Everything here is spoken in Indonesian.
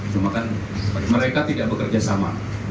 cuma kan mereka tidak bekerja sama